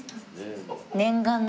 念願の。